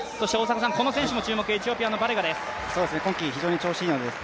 この選手も注目、エチオピアのバレガです。